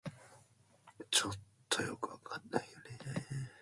The seared chicken parts are returned to the pan which is then covered.